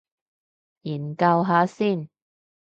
研究下先